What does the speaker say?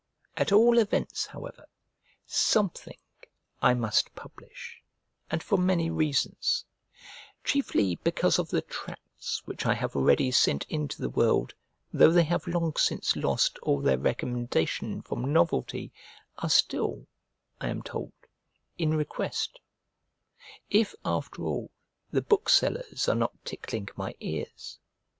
At all events, however, something I must publish, and for many reasons; chiefly because of the tracts which I have already sent in to the world, though they have long since lost all their recommendation from novelty, are still, I am told, in request; if, after all, the booksellers are not tickling my ears.